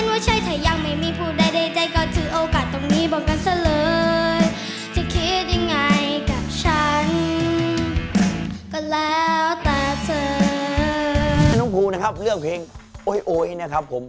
ถ้าน้องภูนะครับเลือกเพลงโอ๊ยโอ๊ยนะครับผม